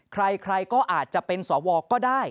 ใครก็อาจจะเป็นสวก็ได้